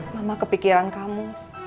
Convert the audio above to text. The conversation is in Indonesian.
mama kepikiran kamu